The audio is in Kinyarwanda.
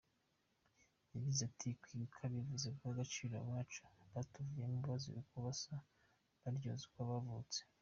Yagize ati “Kwibuka bivuze guha agaciro abacu batuvuyemo bazira uko basa, baryozwa uko bavutse.